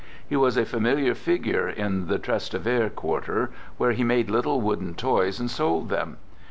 He was a familiar figure in the Tras tevere quarter, where he made little wooden toys and sold them.